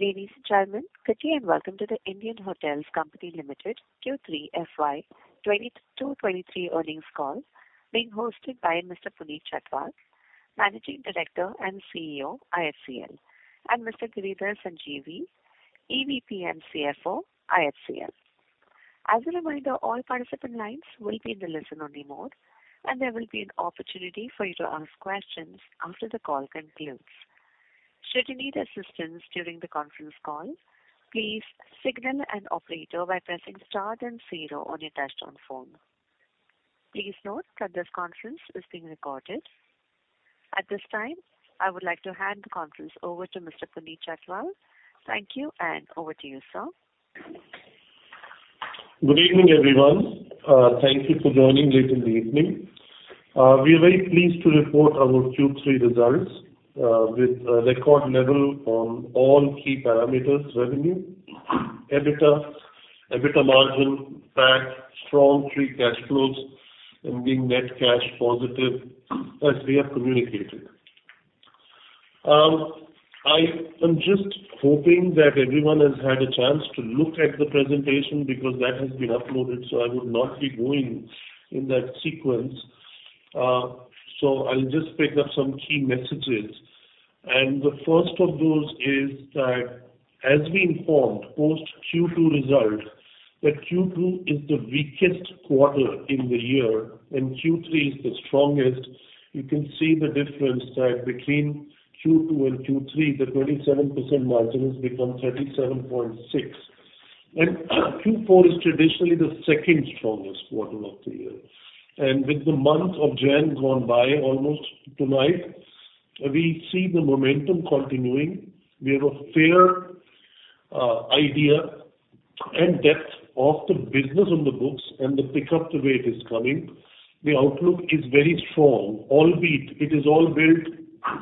Ladies and gentlemen, good day and welcome to The Indian Hotels Company Limited Q3 FY 2023 earnings call being hosted by Mr. Puneet Chhatwal, Managing Director and CEO, IHCL, and Mr. Giridhar Sanjeevi, EVP and CFO, IHCL. As a reminder, all participant lines will be in the listen-only mode, and there will be an opportunity for you to ask questions after the call concludes. Should you need assistance during the conference call, please signal an operator by pressing star then zero on your touchtone phone. Please note that this conference is being recorded. At this time, I would like to hand the conference over to Mr. Puneet Chhatwal. Thank you, and over to you, sir. Good evening, everyone. Thank you for joining late in the evening. We're very pleased to report our Q3 results with a record level on all key parameters: revenue, EBITDA margin, PAT, strong free cash flows, and being net cash positive as we have communicated. I am just hoping that everyone has had a chance to look at the presentation because that has been uploaded, so I would not be going in that sequence. So I'll just pick up some key messages. The first of those is that as we informed post Q2 result, that Q2 is the weakest quarter in the year and Q3 is the strongest. You can see the difference that between Q2 and Q3, the 27% margin has become 37.6%. Q4 is traditionally the second strongest quarter of the year. With the month of January gone by almost tonight, we see the momentum continuing. We have a fair idea and depth of the business on the books and the pickup the way it is coming. The outlook is very strong, albeit it is all built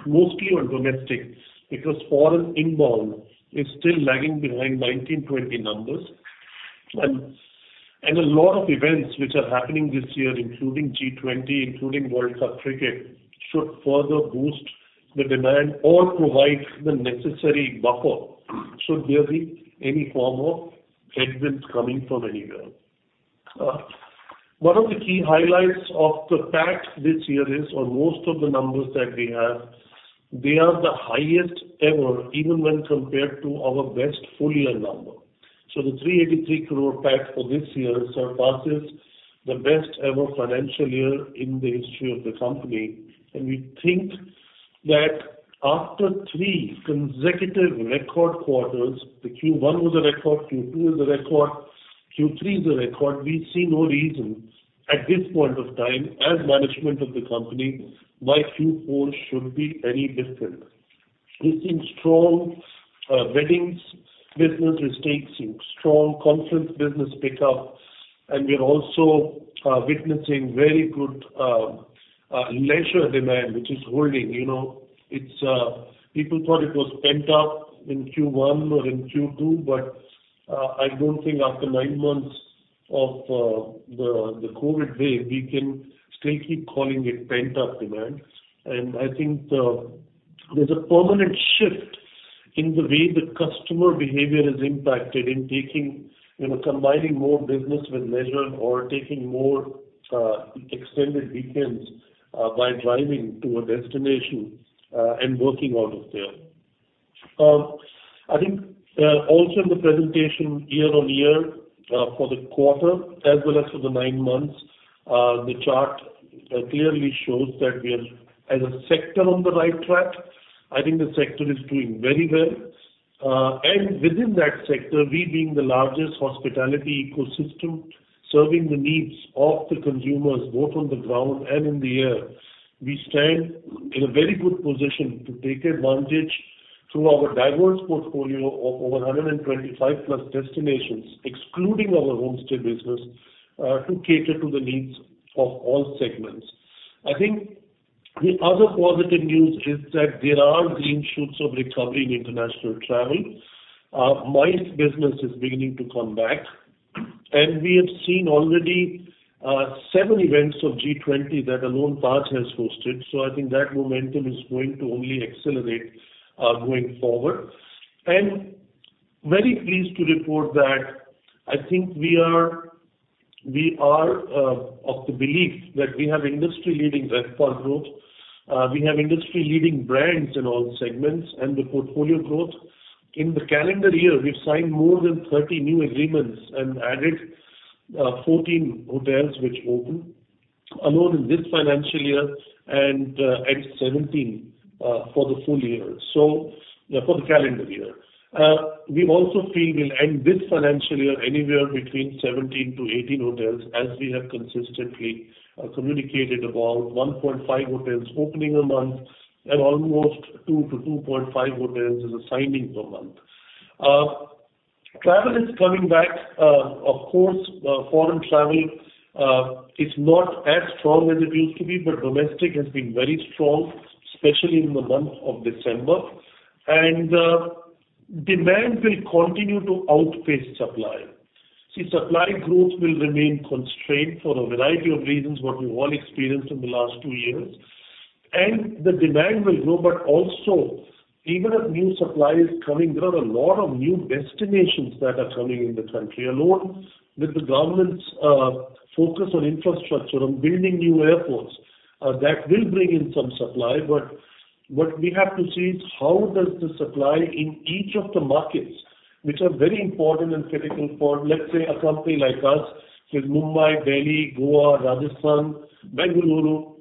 mostly on domestics because foreign inbound is still lagging behind 2019-2020 numbers. A lot of events which are happening this year, including G20, including Cricket World Cup, should further boost the demand or provide the necessary buffer should there be any form of headwinds coming from anywhere. One of the key highlights of the PAT this year is on most of the numbers that we have. They are the highest ever, even when compared to our best full-year number. The 383 crore PAT for this year surpasses the best ever financial year in the history of the company. We think that after three consecutive record quarters, the Q1 was a record, Q2 was a record, Q3 is a record. We see no reason at this point of time as management of the company why Q4 should be any different. We've seen strong weddings business is taking strong conference business pickup. We are also witnessing very good leisure demand, which is holding, you know. It's. People thought it was pent-up in Q1 or in Q2, but I don't think after nine months of the Covid wave, we can still keep calling it pent-up demand. I think there's a permanent shift in the way the customer behavior is impacted in taking, you know, combining more business with leisure or taking more extended weekends by driving to a destination and working out of there. I think, also in the presentation year-on-year, for the quarter as well as for the nine months, the chart clearly shows that we are as a sector on the right track. I think the sector is doing very well. Within that sector, we being the largest hospitality ecosystem serving the needs of the consumers both on the ground and in the air. We stand in a very good position to take advantage through our diverse portfolio of over 125 plus destinations, excluding our homestead business, to cater to the needs of all segments. I think the other positive news is that there are green shoots of recovery in international travel. MICE business is beginning to come back. We have seen already, seven events of G20 that alone Taj has hosted. I think that momentum is going to only accelerate going forward. Very pleased to report that I think we are, we are of the belief that we have industry-leading RevPAR growth. We have industry-leading brands in all segments and the portfolio growth. In the calendar year we've signed more than 30 new agreements and added 14 hotels which opened alone in this financial year and add 17 for the full year. For the calendar year. We also feel we'll end this financial year anywhere between 17-18 hotels, as we have consistently communicated about 1.5 hotels opening a month and almost 2-2.5 hotels as a signing per month. Travel is coming back. Of course, foreign travel is not as strong as it used to be. Domestic has been very strong, especially in the month of December. Demand will continue to outpace supply. See, supply growth will remain constrained for a variety of reasons, what we've all experienced in the last 2 years. The demand will grow, but also even as new supply is coming, there are a lot of new destinations that are coming in the country. Alone with the government's focus on infrastructure, on building new airports, that will bring in some supply. What we have to see is how does the supply in each of the markets, which are very important and critical for, let's say, a company like us. Say Mumbai, Delhi, Goa, Rajasthan, Bengaluru,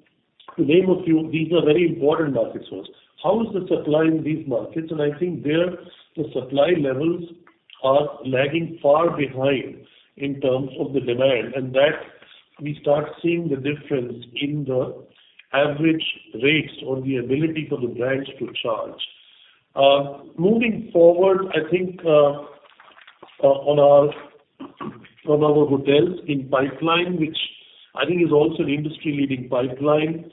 to name a few. These are very important market source. How is the supply in these markets? I think there the supply levels are lagging far behind in terms of the demand, and that we start seeing the difference in the average rates or the ability for the brands to charge. Moving forward, I think, on our hotels in pipeline, which I think is also an industry-leading pipeline.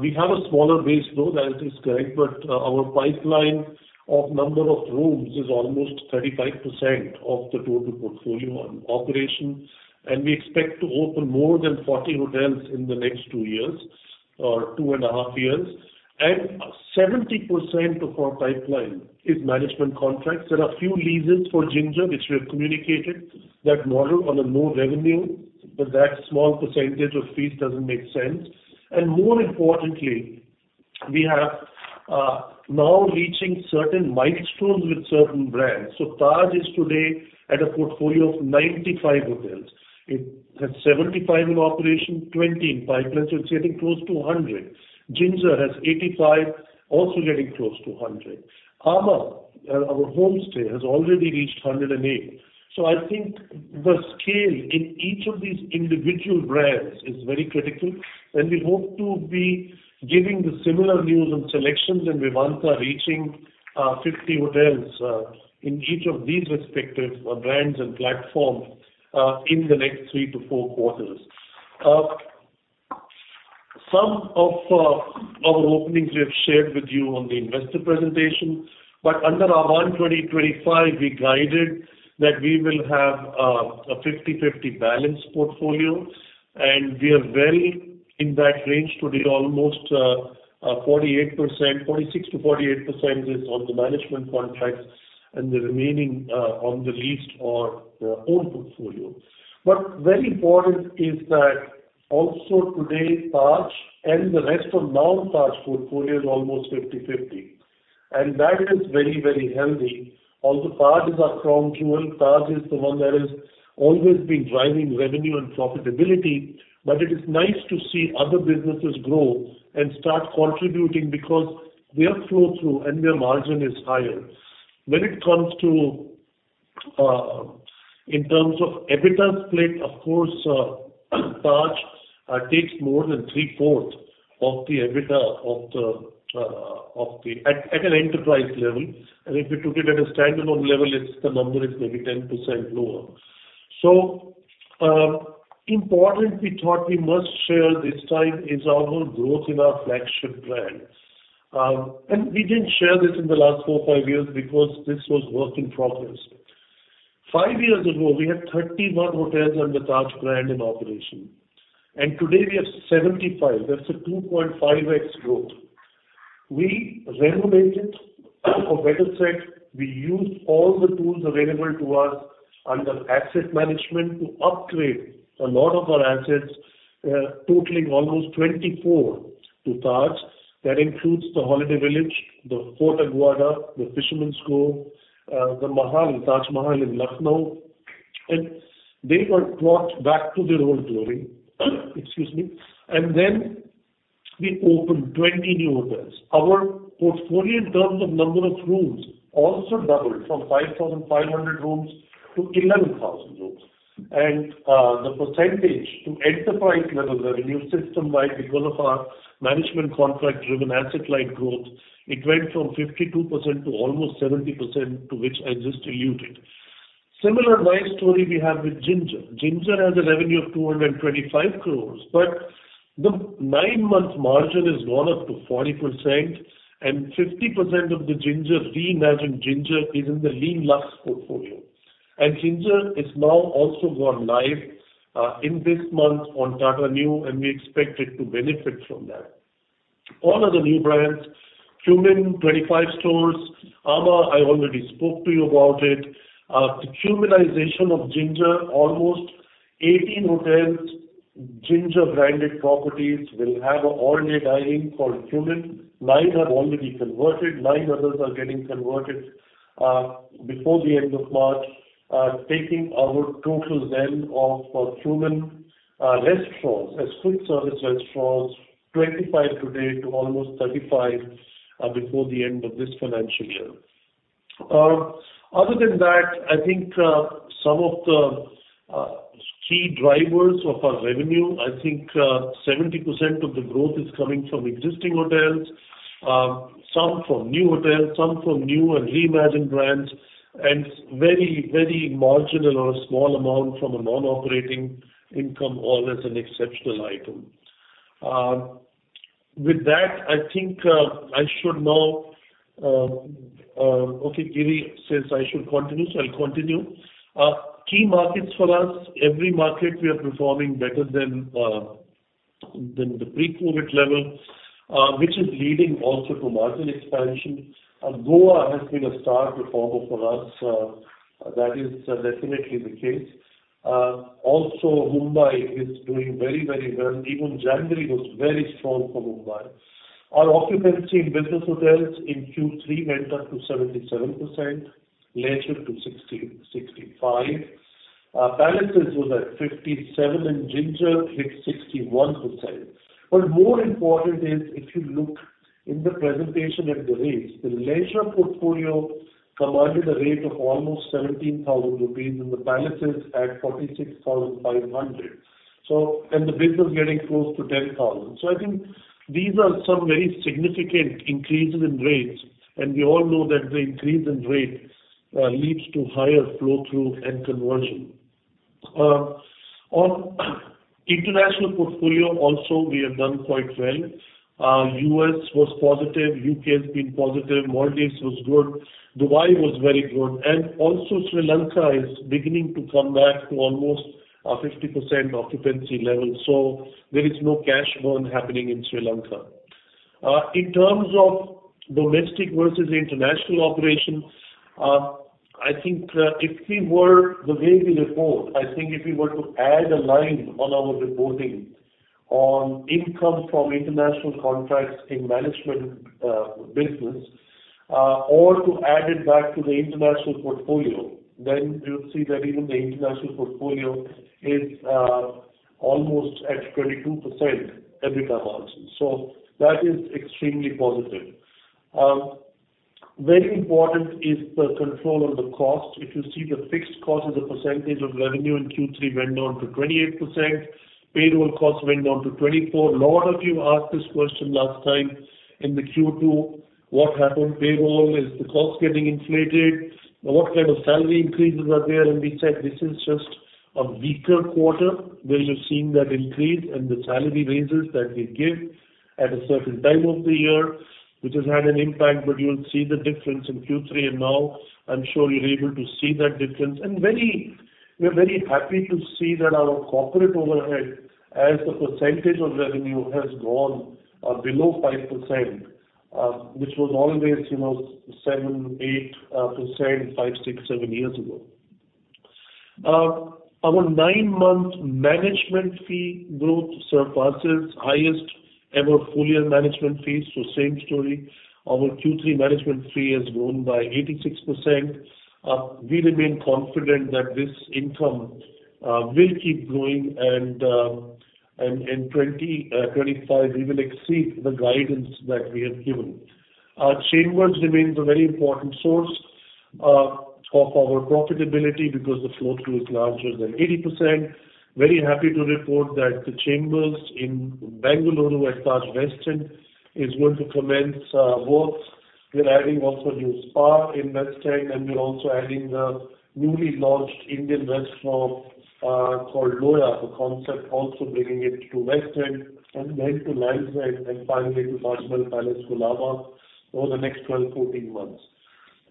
We have a smaller base though, that is correct, but our pipeline of number of rooms is almost 35% of the total portfolio on operations, and we expect to open more than 40 hotels in the next two years or two and a half years. Seventy percent of our pipeline is management contracts. There are few leases for Ginger, which we have communicated that model on a low revenue, but that small percentage of fees doesn't make sense. More importantly, we are now reaching certain milestones with certain brands. Taj is today at a portfolio of 95 hotels. It has 75 in operation, 20 in pipeline, it's getting close to 100. Ginger has 85, also getting close to 100. Our homestay has already reached 108. I think the scale in each of these individual brands is very critical, and we hope to be giving the similar news onselection and Vivanta reaching 50 hotels in each of these respective brands and platforms in the next 3-4 quarters. Some of our openings we have shared with you on the investor presentation, under our Ahvaan 2025, we guided that we will have a 50-50 balance portfolio, and we are very in that range today. Almost 48% 46%-48% is on the management contracts and the remaining on the leased or owned portfolio. Very important is that also today, Taj and the rest of non-Taj portfolio is almost 50/50, and that is very, very healthy. Although Taj is our crown jewel, Taj is the one that has always been driving revenue and profitability. It is nice to see other businesses grow and start contributing because their flow through and their margin is higher. When it comes to in terms of EBITDA split, of course, Taj takes more than three-fourth of the EBITDA of the enterprise level. If you took it at a standalone level, it's, the number is maybe 10% lower. Important we thought we must share this time is our growth in our flagship brands. We didn't share this in the last 4, 5 years because this was work in progress. Five years ago, we had 31 hotels under Taj in operation, today we have 75. That's a 2.5x growth. We renovated, or better said, we used all the tools available to us under asset management to upgrade a lot of our assets, totaling almost 24 to Taj. That includes the Holiday Village, the Fort Aguada, the Fisherman's Cove, Taj Mahal, Lucknow, they were brought back to their old glory. Excuse me. We opened 20 new hotels. Our portfolio in terms of number of rooms also doubled from 5,500 rooms to 11,000 rooms. The percentage to enterprise level revenue system by developer management contract driven asset light growth, it went from 52% to almost 70%, to which I just alluded. Similar nice story we have with Ginger. Ginger has a revenue of 225 crore, but the nine-month margin has gone up to 40% and 50% of the Ginger, reimagined Ginger is in the Lean Luxe portfolio. Ginger is now also gone live in this month on Tata Neu, and we expect it to benefit from that. All other new brands, Trumark 25 stores. amã, I already spoke to you about it. The Trumanization of Ginger, almost 18 hotels, Ginger branded properties will have all-day dining called Trumark. Nine have already converted, nine others are getting converted before the end of March. Taking our total then of Trumark restaurants as food service restaurants, 25 today to almost 35 before the end of this financial year. Other than that, I think, some of the key drivers of our revenue, I think, 70% of the growth is coming from existing hotels, some from new hotels, some from new and reimagined brands, and very, very marginal or small amount from a non-operating income, all as an exceptional item. With that, I think, I should now. Okay, Giri says I should continue, so I'll continue. Key markets for us, every market we are performing better than the pre-COVID level, which is leading also to margin expansion. Goa has been a star performer for us. That is definitely the case. Also Mumbai is doing very, very well. Even January was very strong for Mumbai. Our occupancy in business hotels in Q3 went up to 77%, leisure to 60-65%. Palaces was at 57%, and Ginger hit 61%. More important is if you look in the presentation at the rates, the leisure portfolio commanded a rate of almost 17,000 rupees, and the Palaces at 46,500. The business getting close to 10,000. I think these are some very significant increases in rates, and we all know that the increase in rate leads to higher flow-through and conversion. On international portfolio also we have done quite well. U.S. was positive. U.K. has been positive. Maldives was good. Dubai was very good. Also Sri Lanka is beginning to come back to almost a 50% occupancy level. There is no cash burn happening in Sri Lanka. In terms of domestic versus international operations, I think, the way we report, I think if we were to add a line on our reporting on income from international contracts in management business, or to add it back to the international portfolio, then you'll see that even the international portfolio is almost at 22% EBITDA margin. That is extremely positive. Very important is the control on the cost. If you see the fixed cost as a percentage of revenue in Q3 went down to 28%. Payroll costs went down to 24%. A lot of you asked this question last time in the Q2, what happened? Payroll, is the cost getting inflated? What kind of salary increases are there? We said this is just a weaker quarter where you're seeing that increase and the salary raises that we give at a certain time of the year, which has had an impact, but you'll see the difference in Q3. Now I'm sure you're able to see that difference. We're very happy to see that our corporate overhead as a percentage of revenue has gone below 5%, which was always 7%, 8%, five, six, seven years ago. Our 9-month management fee growth surpasses highest ever full year management fees. Same story. Our Q3 management fee has grown by 86%. We remain confident that this income will keep growing and 2025 we will exceed the guidance that we have given. Our The Chambers remains a very important source of our profitability because the flow through is larger than 80%. Very happy to report that The Chambers in Bengaluru at Taj West End is going to commence both. We're adding also new spa in West End, we're also adding the newly launched Indian restaurant called Loya. The concept also bringing it to West End and then to Lifestyle and finally to Taj Mahal Palace, Colaba over the next 12, 14 months.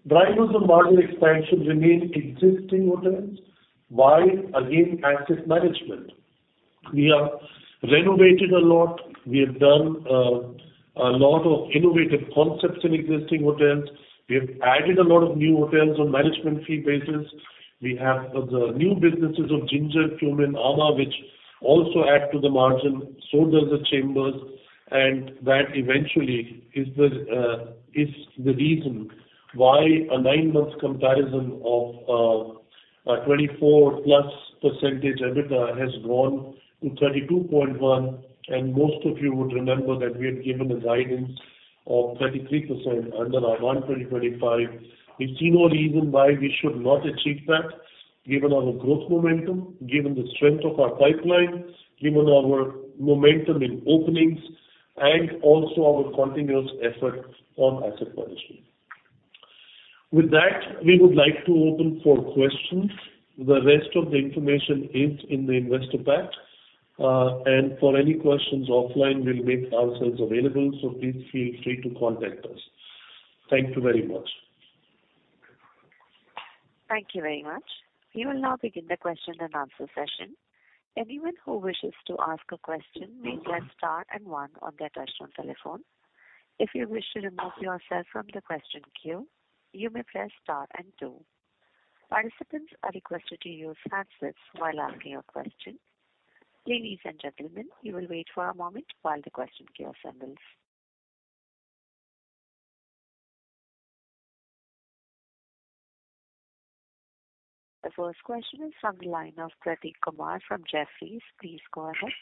Drivers of margin expansion remain existing hotels. Why? Again, asset management. We have renovated a lot. We have done a lot of innovative concepts in existing hotels. We have added a lot of new hotels on management fee basis. We have the new businesses of Ginger, Trum and amã, which also add to the margin. The Chambers, and that eventually is the reason why a 9-month comparison of a 24%+ EBITDA has grown to 32.1%. Most of you would remember that we had given a guidance of 33% under our One 2025. We see no reason why we should not achieve that given our growth momentum, given the strength of our pipeline, given our momentum in openings and also our continuous effort on asset management. With that, we would like to open for questions. The rest of the information is in the investor pack. For any questions offline, we'll make ourselves available, so please feel free to contact us. Thank you very much. Thank you very much. We will now begin the Q&A session. Anyone who wishes to ask a question may press star and one on their touch-tone telephone. If you wish to remove yourself from the question queue, you may press star and two. Participants are requested to use handsets while asking your question. Ladies and gentlemen, you will wait for a moment while the question queue assembles. The first question is from the line of Prateek Kumar from Jefferies. Please go ahead.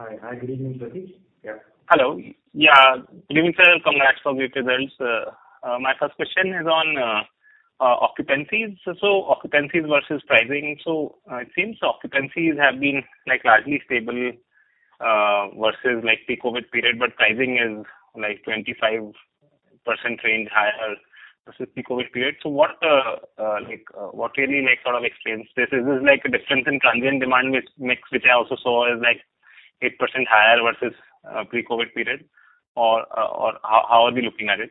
Hi. Hi. Good evening, Prateek. Yeah. Hello. Yeah. Good evening, sir, and congrats for your results. My first question is on occupancies. Occupancies versus pricing. It seems occupancies have been, like, largely stable, versus, like, pre-COVID period, but pricing is, like, 25% range higher versus pre-COVID period. What, like, what really makes sort of explains this? Is this, like, a difference in transient demand mix, which I also saw is like 8% higher versus pre-COVID period? Or how are we looking at it?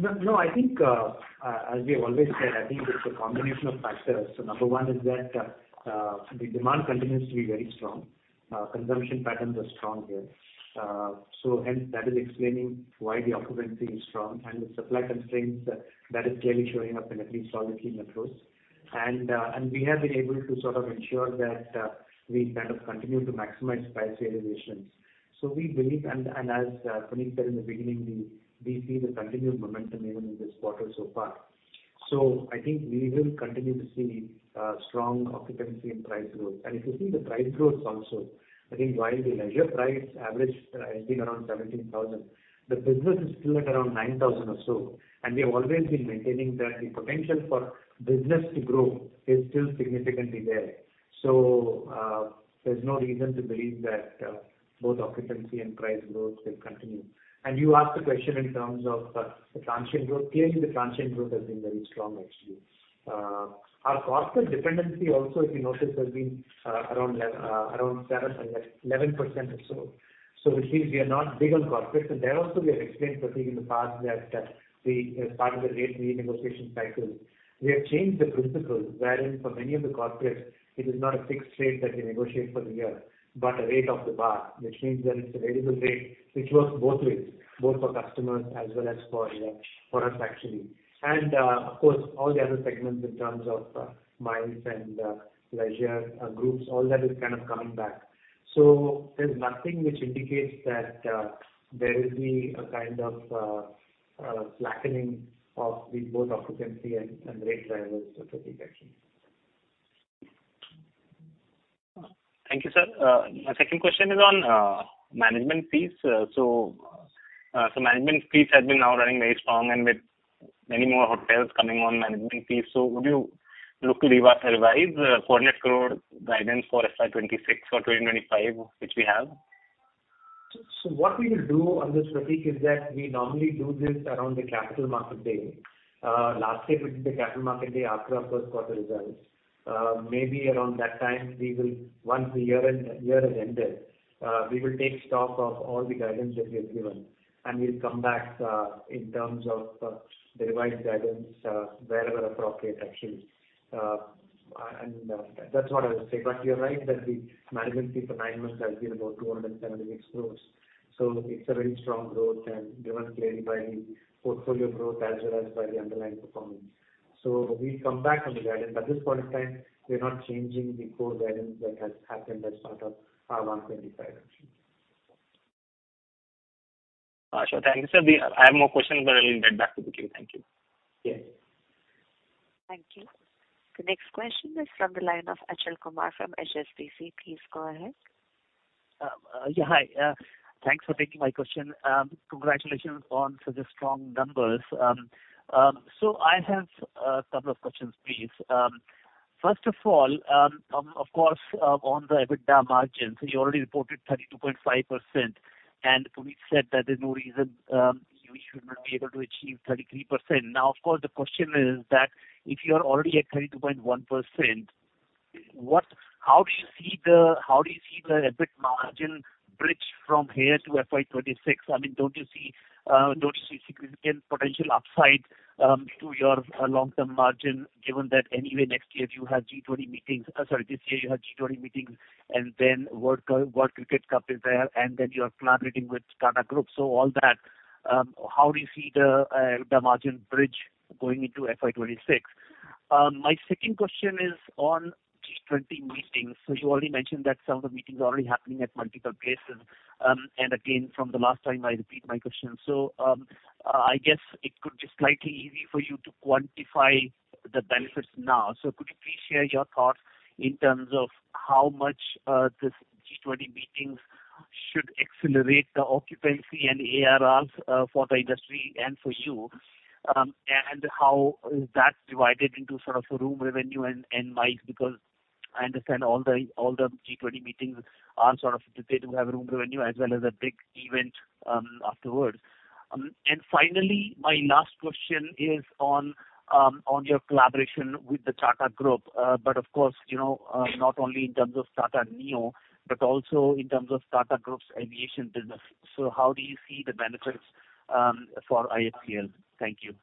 No, no, I think, as we have always said, I think it's a combination of factors. Number one is that the demand continues to be very strong. Consumption patterns are strong here. Hence that is explaining why the occupancy is strong and the supply constraints that is clearly showing up in at least all Indian metros. And we have been able to sort of ensure that we kind of continue to maximize price realizations. We believe and, as Puneet said in the beginning, we see the continued momentum even in this quarter so far. I think we will continue to see strong occupancy and price growth. If you see the price growth also, I think while the leisure price average, I think around 17,000, the business is still at around 9,000 or so, and we have always been maintaining that the potential for business to grow is still significantly there. There's no reason to believe that both occupancy and price growth will continue. You asked a question in terms of the transient growth. Clearly, the transient growth has been very strong actually. Our corporate dependency also, if you notice, has been around 11% or so. Which means we are not big on corporate. There also we have explained, Prateek, in the past that we, as part of the rate renegotiation cycle, we have changed the principle wherein for many of the corporates, it is not a fixed rate that we negotiate for the year, but a rate of the BAR, which means that it's a variable rate which works both ways, both for customers as well as for us actually. Of course, all the other segments in terms of MICE and leisure groups, all that is kind of coming back. There's nothing which indicates that there will be a kind of flattening of the both occupancy and rate drivers for Prateek actually. Thank you, sir. My second question is on management fees. Management fees have been now running very strong and with many more hotels coming on management fees. Would you look to revise INR 400 crore guidance for FY26 or 2025, which we have? What we will do on this, Prateek, is that we normally do this around the capital market day. Lastly it was the capital market day after our first quarter results. Maybe around that time we will once the year has ended, we will take stock of all the guidance that we have given, and we'll come back in terms of the revised guidance wherever appropriate, actually. That's what I would say. You're right that the management fee for 9 months has been about 276 crores. It's a very strong growth and driven clearly by the portfolio growth as well as by the underlying performance. We'll come back on the guidance, but at this point in time, we're not changing the core guidance that has happened as part of our one twenty-five actually. Sure. Thank you, sir. I have more questions, but I will get back to the queue. Thank you. Yes. Thank you. The next question is from the line of Achal Kumar from HSBC. Please go ahead. Yeah, hi. Thanks for taking my question. Congratulations on such strong numbers. So I have couple of questions, please. First of all, of course, on the EBITDA margins, you already reported 32.5%, and Puneet said that there's no reason you should not be able to achieve 33%. Now, of course, the question is that if you are already at 32.1%, how do you see the EBIT margin bridge from here to FY26? I mean, don't you see significant potential upside to your long-term margin given that anyway next year you have G20 meetings, sorry, this year you have G20 meetings and then Cricket World Cup is there and then you are collaborating with Tata Group? All that, how do you see the margin bridge going into FY 2026? My second question is on G20 meetings. You already mentioned that some of the meetings are already happening at multiple places. Again, from the last time I repeat my question. I guess it could be slightly easy for you to quantify the benefits now. Could you please share your thoughts in terms of how much this G20 meetings should accelerate the occupancy and ARRs for the industry and for you? How is that divided into sort of room revenue and MICE? I understand all the G20 meetings are sort of today to have a room revenue as well as a big event afterwards. Finally, my last question is on your collaboration with the Tata Group. Of course, you know, not only in terms of Tata Neu, but also in terms of Tata Group's aviation business. How do you see the benefits, for IHCL? Thank you.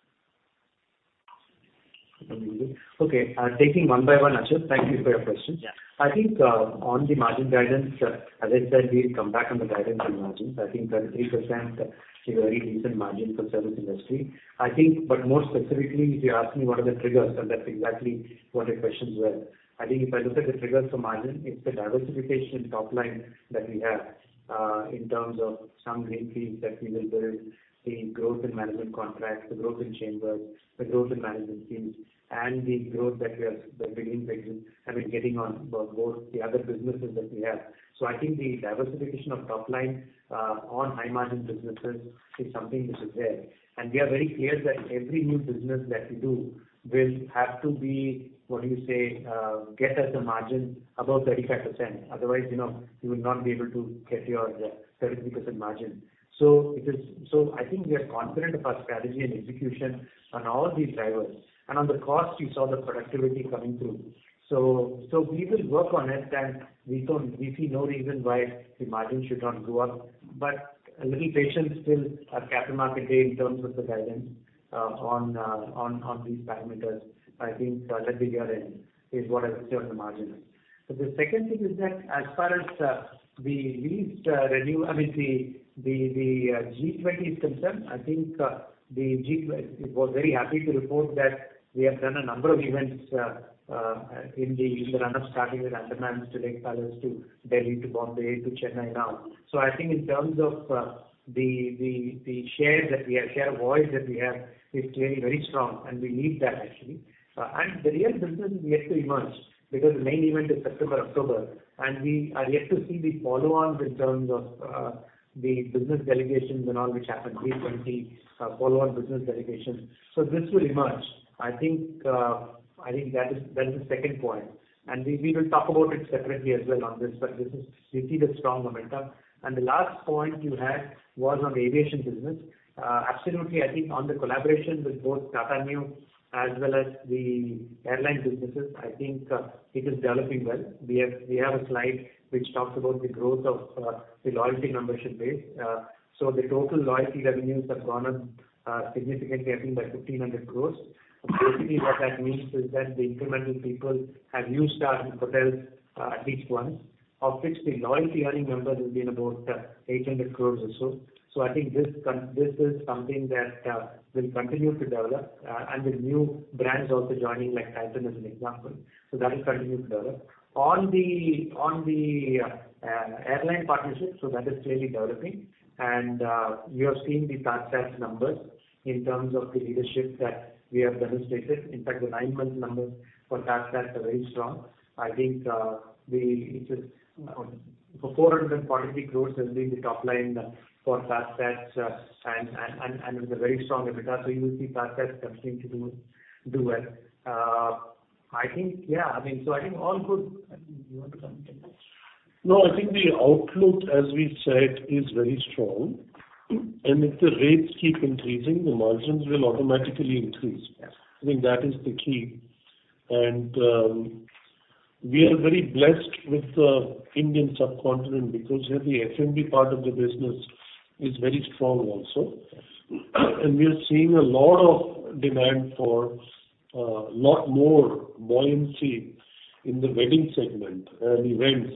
Taking one by one, Achal. Thank you for your question. Yeah. I think, on the margin guidance, as I said, we'll come back on the guidance on margins. I think 33% is a very decent margin for service industry. I think, more specifically, if you ask me what are the triggers, and that's exactly what your questions were. I think if I look at the triggers for margin, it's the diversification in top line that we have, in terms of some greenfields that we will build, the growth in management contracts, the growth in The Chambers, the growth in management teams, and the growth that we've been, I mean, getting on both the other businesses that we have. I think the diversification of top line, on high margin businesses is something which is there. We are very clear that every new business that we do will have to be, what do you say, get us a margin above 35%. Otherwise, you know, you will not be able to get your, 33% margin. I think we are confident of our strategy and execution on all these drivers. And on the cost, you saw the productivity coming through. We will work on it and we see no reason why the margin should not go up. A little patience still at Capital Market Day in terms of the guidance, on, on these parameters. I think, let the year end is what I would say on the margin. The second thing is that as far as the least revenue, I mean, the G20 is concerned, I think I was very happy to report that we have done a number of events in the run-up starting with Andamans to Lake Palace to Delhi to Bombay to Chennai now. I think in terms of the share that we have, share of voice that we have is clearly very strong, and we need that actually. The real business is yet to emerge because the main event is September, October, and we are yet to see the follow-ons in terms of the business delegations and all which happen, G20 follow-on business delegations. This will emerge. I think that is the second point. We will talk about it separately as well on this, but this is. We see the strong momentum. The last point you had was on the aviation business. Absolutely. I think on the collaboration with both Tata Neu as well as the airline businesses, I think, it is developing well. We have a slide which talks about the growth of the loyalty membership base. The total loyalty revenues have gone up significantly, I think by 1,500 crores. Basically, what that means is that the incremental people have used our hotels at least once, of which the loyalty earning member will be in about 800 crores or so. I think this is something that will continue to develop and with new brands also joining, like Titan as an example. That will continue to develop. On the airline partnership, that is clearly developing. You have seen the TajSATS numbers in terms of the leadership that we have demonstrated. In fact, the nine-month numbers for TajSATS are very strong. I think it is 440 crore has been the top line for TajSATS, and with a very strong EBITDA. You will see TajSATS continue to do well. I think, yeah, I mean, I think all good. I think you want to comment anything? No, I think the outlook, as we said, is very strong. If the rates keep increasing, the margins will automatically increase. Yes. I think that is the key. We are very blessed with the Indian subcontinent because here the F&B part of the business is very strong also. We are seeing a lot of demand for lot more buoyancy in the wedding segment and events.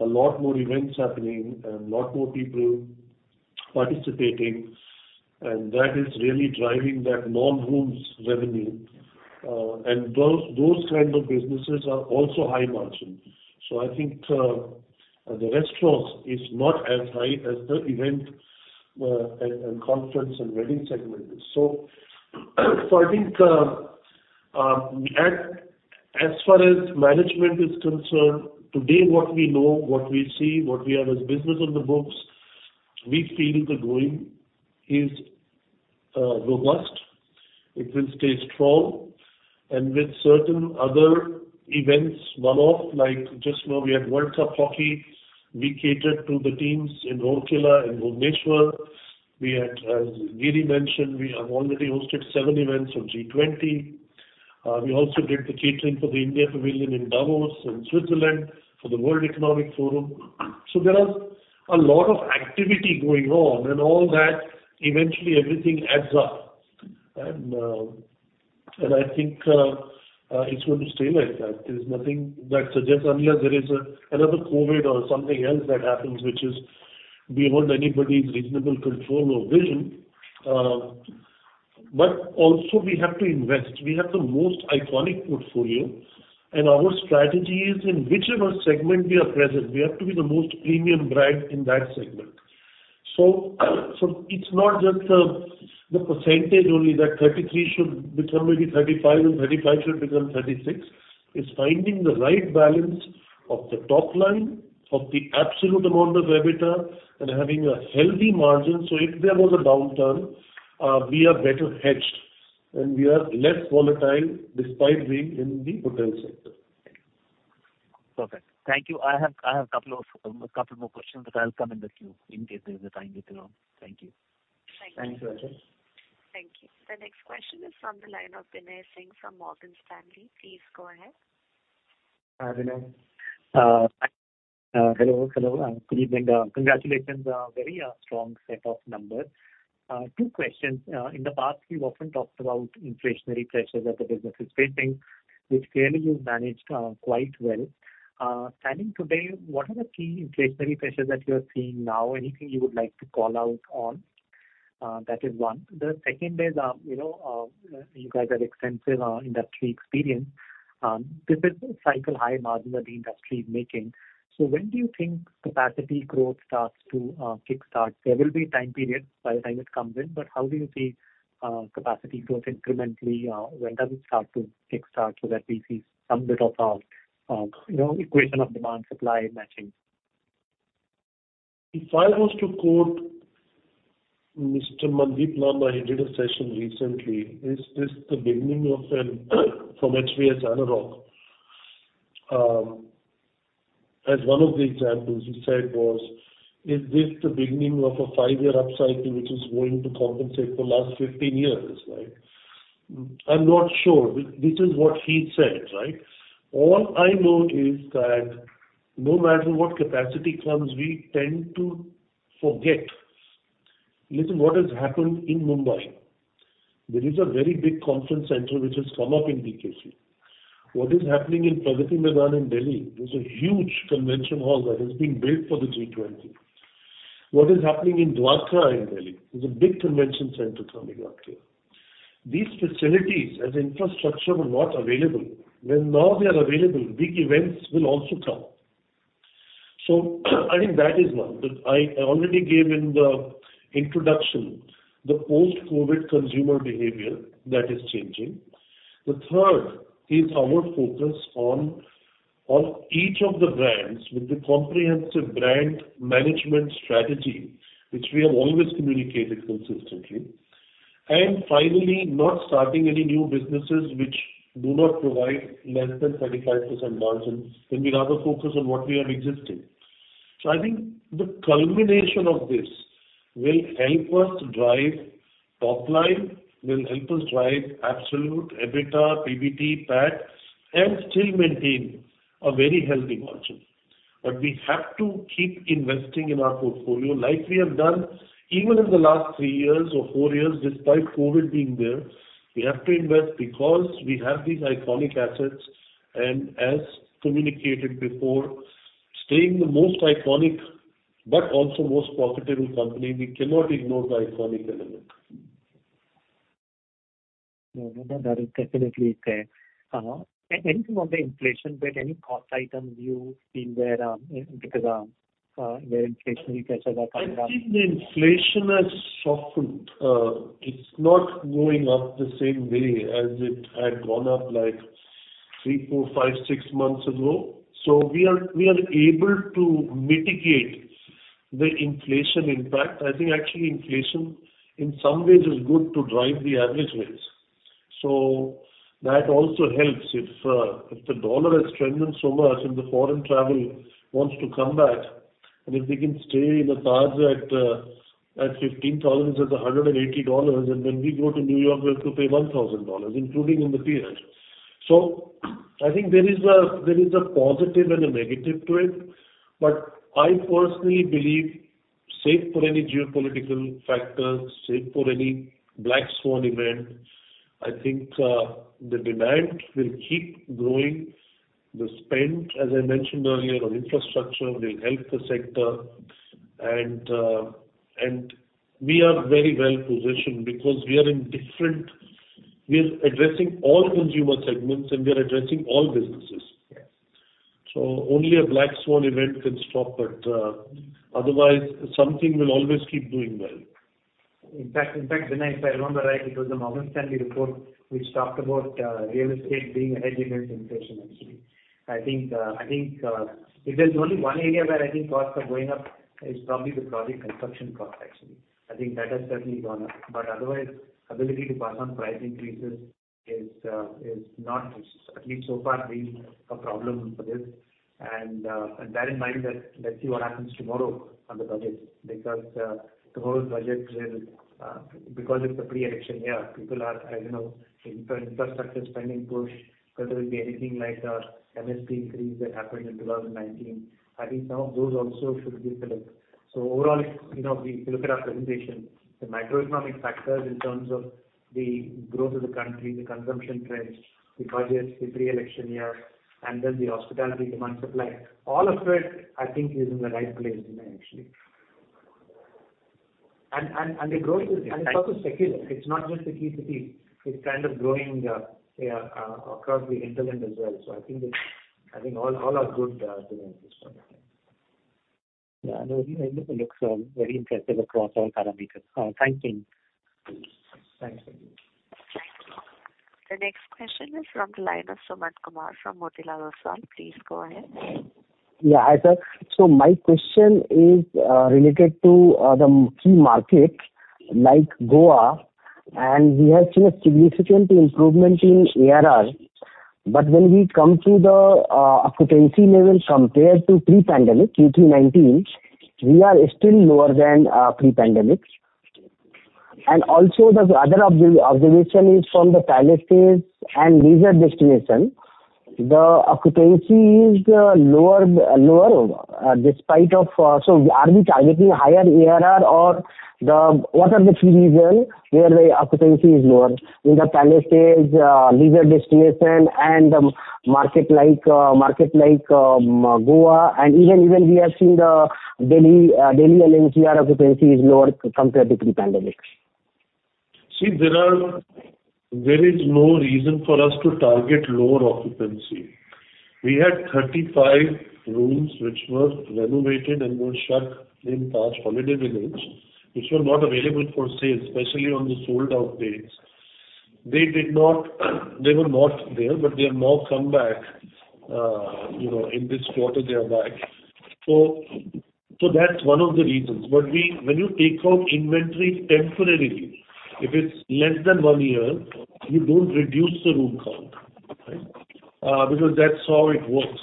A lot more events happening and lot more people participating, and that is really driving that non-rooms revenue. Those kind of businesses are also high margin. I think the restaurants is not as high as the event, and conference and wedding segment is. I think, as far as management is concerned, today what we know, what we see, what we have as business on the books, we feel the going is robust. It will stay strong. With certain other events, one-off, like just now we had Hockey World Cup, we catered to the teams in Rourkela, in Bhubaneswar. We had, as Giri mentioned, we have already hosted seven events of G20. We also did the catering for the India Pavilion in Davos, in Switzerland for the World Economic Forum. There are a lot of activity going on and all that, eventually everything adds up. I think it's going to stay like that. There's nothing that suggests unless there is a, another COVID or something else that happens, which is beyond anybody's reasonable control or vision. Also we have to invest. We have the most iconic portfolio, and our strategy is in whichever segment we are present, we have to be the most premium brand in that segment. It's not just the percentage only that 33 should become maybe 35 and 35 should become 36. It's finding the right balance of the top line, of the absolute amount of EBITDA and having a healthy margin. If there was a downturn, we are better hedged and we are less volatile despite being in the hotel sector. Perfect. Thank you. I have a couple of, a couple more questions, but I'll come in the queue in case there is a time later on. Thank you. Thanks, Sanjeevi. Thank you. The next question is from the line of Binay Singh from Morgan Stanley. Please go ahead. Hi, Binay. Hi, hello and good evening. Congratulations on a very strong set of numbers. Two questions. In the past, you've often talked about inflationary pressures that the business is facing, which clearly you've managed quite well. Standing today, what are the key inflationary pressures that you are seeing now? Anything you would like to call out on? That is one. The second is you guys have extensive industry experience. This is cycle high margin that the industry is making. When do you think capacity growth starts to kick-start? There will be time periods by the time it comes in, but how do you see capacity growth incrementally? When does it start to kick-start so that we see some bit of, you know, equation of demand, supply matching? If I was to quote Mr. Mandeep Lamba, he did a session recently. Is this the beginning of an from HVS ANAROCK? As one of the examples you said was, is this the beginning of a 5-year upcycling which is going to compensate for the last 15 years, right? I'm not sure. This is what he said, right? All I know is that no matter what capacity comes, we tend to forget. Listen what has happened in Mumbai. There is a very big conference center which has come up in BKC. What is happening in Pragati Maidan in Delhi? There's a huge convention hall that has been built for the G20. What is happening in Dwarka in Delhi? There's a big convention center coming up there. These facilities as infrastructure were not available. When now they are available, big events will also come. I think that is one. I already gave in the introduction the post-COVID consumer behavior that is changing. The third is our focus on each of the brands with the comprehensive brand management strategy, which we have always communicated consistently. Finally, not starting any new businesses which do not provide less than 35% margins, and we rather focus on what we have existing. I think the culmination of this will help us drive top line, will help us drive absolute EBITDA, PBT, PAT, and still maintain a very healthy margin. We have to keep investing in our portfolio like we have done even in the last 3 years or 4 years despite COVID being there. We have to invest because we have these iconic assets. As communicated before, staying the most iconic but also most profitable company, we cannot ignore the iconic element. No, no, that is definitely there. Anything on the inflation bit? Any cost items you've seen there, because the inflationary pressures are coming up. I think the inflation has softened. It's not going up the same way as it had gone up like 3, 4, 5, 6 months ago. We are able to mitigate the inflation impact. I think actually inflation in some ways is good to drive the average rates. That also helps if the dollar has strengthened so much and the foreign travel wants to come back, and if they can stay in a Taj at 15,000 as $180, and when we go to New York, we have to pay $1,000, including in the PR. I think there is a positive and a negative to it. I personally believe, save for any geopolitical factors, save for any black swan event, I think the demand will keep growing. The spend, as I mentioned earlier, on infrastructure will help the sector. We are very well positioned because we are addressing all consumer segments, and we are addressing all businesses. Only a black swan event can stop it. Otherwise something will always keep doing well. In fact, Binay, if I remember right, it was the Morgan Stanley report which talked about real estate being a hedge against inflation actually. I think, if there's only one area where I think costs are going up is probably the project construction cost actually. I think that has certainly gone up. Otherwise ability to pass on price increases is not, at least so far, been a problem for this. That in mind, let's see what happens tomorrow on the budget because tomorrow's budget will, because it's a pre-election year, people are infrastructure spending push, whether it'll be anything like MSP increase that happened in 2019. I think some of those also should give a look. Overall, if we look at our presentation, the microeconomic factors in terms of the growth of the country, the consumption trends, the budgets, the pre-election year, and then the hospitality demand supply, all of it I think is in the right place, Vinay, actually. And the growth is it's also secular. It's not just the key cities. It's kind of growing, say, across the hinterland as well. I think it's, I think all are good signs at this point. Yeah. No, it looks very impressive across all parameters. Thank you. Thanks Thank you. The next question is from the line of Sumant Kumar from Motilal Oswal. Please go ahead. Hi, sir. My question is related to the key market like Goa, and we have seen a significant improvement in ARR. When we come to the occupancy levels compared to pre-pandemic, Q2 2019, we are still lower than pre-pandemic. Also the other observation is from the Palace Stay and resort destination, the occupancy is lower despite of are we targeting higher ARR or what are the key reason whereby occupancy is lower in the Palace Stay, resort destination and the market like Goa? Even we have seen the Delhi NCR occupancy is lower compared to pre-pandemic. See, there is no reason for us to target lower occupancy. We had 35 rooms which were renovated and were shut in Taj Holiday Village, which were not available for sale, especially on the sold-out days. They were not there, but they have now come back. you know, in this quarter they are back. That's one of the reasons. When you take out inventory temporarily, if it's less than 1 year, you don't reduce the room count, right? because that's how it works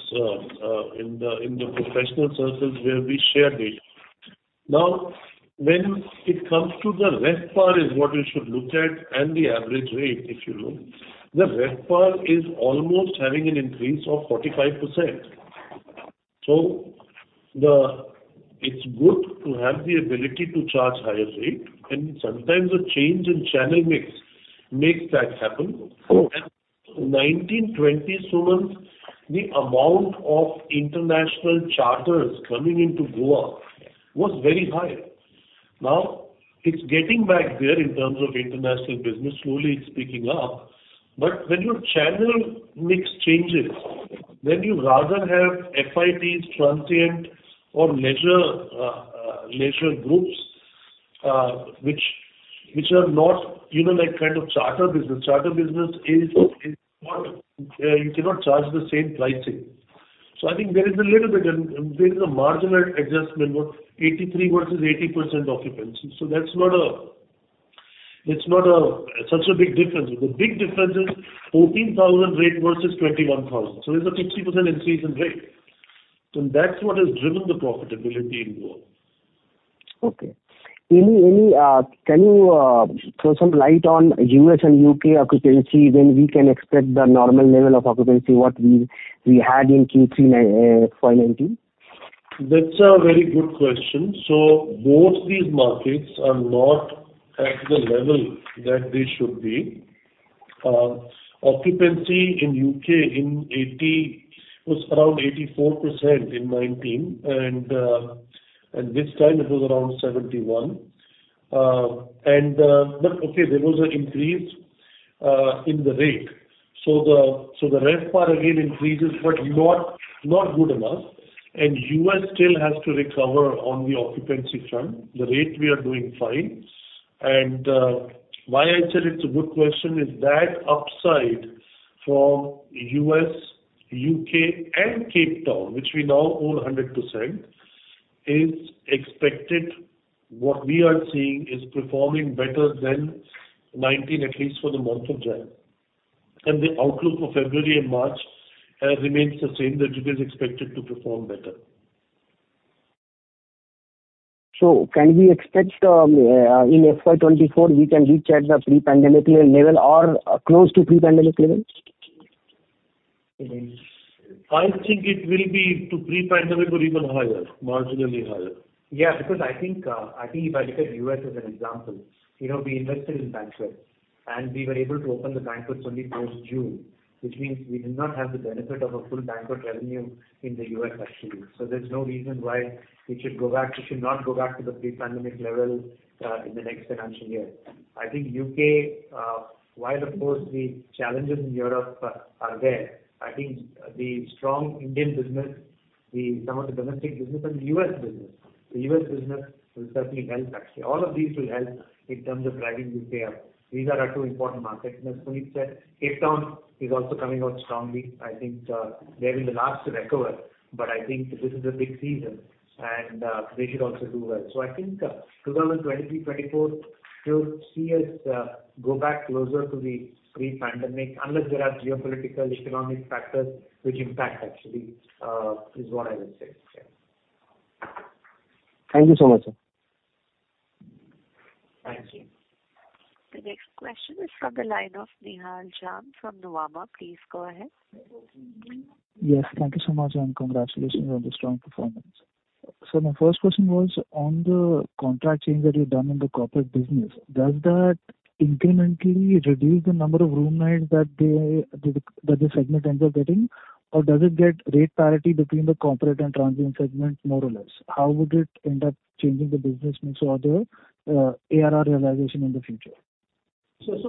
in the professional services where we share data. When it comes to the RevPAR is what you should look at and the average rate, if you know. The RevPAR is almost having an increase of 45%. It's good to have the ability to charge higher rate, sometimes a change in channel mix makes that happen. 2019, 2020, Suman, the amount of international charters coming into Goa was very high. Now, it's getting back there in terms of international business. Slowly it's picking up. When your channel mix changes, when you rather have FIT, transient or leisure groups, which are not, you know, like, kind of charter business. Charter business is not, you cannot charge the same pricing. I think there is a little bit and there is a marginal adjustment of 83% versus 80% occupancy. That's not such a big difference. The big difference is 14,000 rate versus 21,000. There's a 50% increase in rate. That's what has driven the profitability in Goa. Okay. Any. Can you throw some light on U.S. and U.K. occupancy? When we can expect the normal level of occupancy, what we had in Q3 519? That's a very good question. Both these markets are not at the level that they should be. Occupancy in U.K. was around 84% in 2019. This time it was around 71%. There was an increase in the rate. The RevPAR again increases, but not good enough. U.S. still has to recover on the occupancy front. The rate we are doing fine. Why I said it's a good question is that upside from U.S., U.K., and Cape Town, which we now own 100%, is expected. What we are seeing is performing better than 2019, at least for the month of January. The outlook for February and March remains the same, that it is expected to perform better. Can we expect, in FY 2024 we can reach at the pre-pandemic level or close to pre-pandemic levels? I think it will be to pre-pandemic or even higher, marginally higher. Yeah, because I think, if I take U.S. as an example, you know, we invested in Banquets, and we were able to open the Banquets only post-June, which means we did not have the benefit of a full Banquet revenue in the U.S. actually. There's no reason why we should not go back to the pre-pandemic level in the next financial year. I think U.K., while of course the challenges in Europe are there, the strong Indian business, the some of the domestic business and U.S. business. The U.S. business will certainly help actually. All of these will help in terms of driving U.K. up. These are our two important markets. As Suneet said, Cape Town is also coming out strongly.I think, they will be the last to recover, but I think this is a big season and they should also do well. I think, 2023, 2024, you'll see us go back closer to the pre-pandemic unless there are geopolitical economic factors which impact actually, is what I would say. Yeah. Thank you so much, sir. Thank you. The next question is from the line of Nihal Jham from Nuvama. Please go ahead. Yes. Thank you so much, and congratulations on the strong performance. My first question was on the contract change that you've done in the corporate business. Does that incrementally reduce the number of room nights that the segment ends up getting? Or does it get rate parity between the corporate and transient segment more or less? How would it end up changing the business mix or the ARR realization in the future?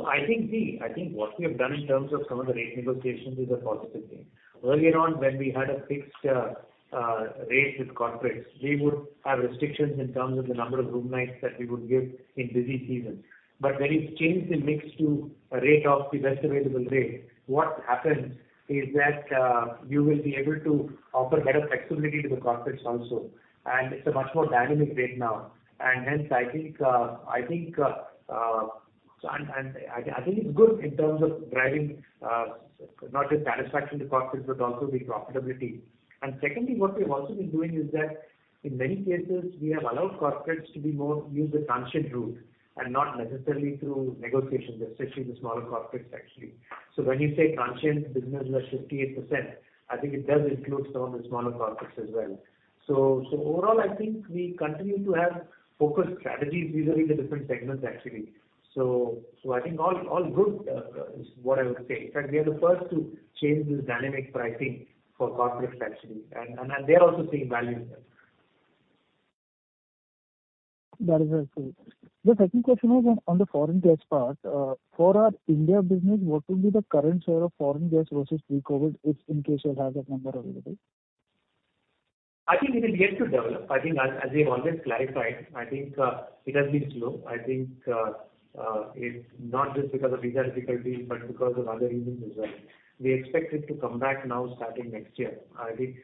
I think what we have done in terms of some of the rate negotiations is a positive thing. Earlier on, when we had a fixed rate with corporates, we would have restrictions in terms of the number of room nights that we would give in busy season. When it changed the mix to a rate of the Best Available Rate, what happens is that you will be able to offer better flexibility to the corporates also. It's a much more dynamic rate now. Hence, I think it's good in terms of driving not just satisfaction to corporates, but also the profitability. Secondly, what we've also been doing is that in many cases, we have allowed corporates to be more use the transient route and not necessarily through negotiations, especially the smaller corporates, actually. When you say transient business was 58%, I think it does include some of the smaller corporates as well. Overall, I think we continue to have focused strategies vis-a-vis the different segments, actually. I think all good is what I would say. In fact, we are the first to change this dynamic pricing for corporates, actually. They are also seeing value in that. That is helpful. The second question was on the foreign guest part. For our India business, what will be the current share of foreign guests versus pre-COVID, if in case you will have that number available? I think it will get to develop. I think as we have always clarified, I think it has been slow. I think it's not just because of visa difficulties, but because of other reasons as well. We expect it to come back now starting next year. I think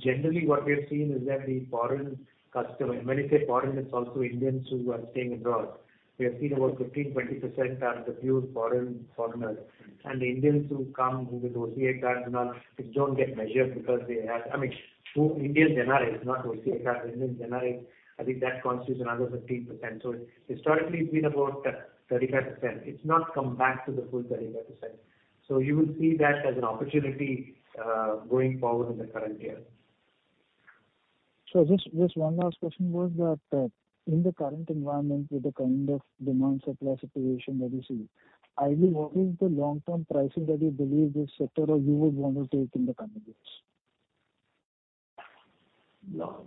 generally what we have seen is that the foreign customer. When you say foreign, it's also Indians who are staying abroad. We have seen about 15%, 20% are the pure foreign foreigners. The Indians who come with OCI Card and all, it don't get measured because they have. I mean, who Indians generate, not OCI Card. Indians generate, I think that constitutes another 15%. Historically it's been about 35%. It's not come back to the full 35%. You will see that as an opportunity, going forward in the current year. Just one last question was that, in the current environment with the kind of demand supply situation that you see, ideally what is the long-term pricing that you believe this sector or you would want to take in the coming years?